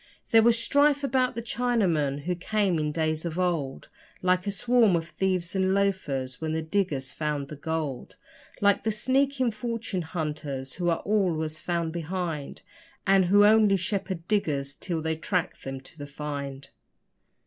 There was strife about the Chinamen, who came in days of old Like a swarm of thieves and loafers when the diggers found the gold Like the sneaking fortune hunters who are always found behind, And who only shepherd diggers till they track them to the 'find'.